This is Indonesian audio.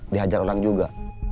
dihajar orang juga